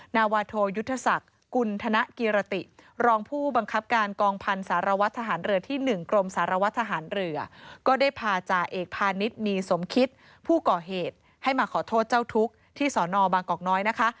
นาวาโทยุทธศักดิ์กุณธนกิรติรองผู้บังคับการกองพันธ์สารวัตรทหารเรือที่๑กรมสารวัตรทหารเรือก็ได้พาจ่าเอกพาณิชย์มีสมคิดผู้ก่อเหตุให้มาขอโทษเจ้าทุกข์ที่สอนอบางกอกน้อยนะคะ